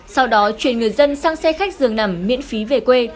sau đó chuyển người dân sang xe khách dường nằm miễn phí về quê